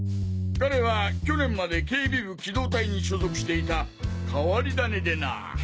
彼は去年まで警備部機動隊に所属していた変わり種でなぁ。